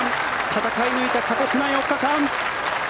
戦い抜いた過酷な４日間。